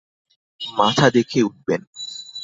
মাথা দেখে উঠবেন।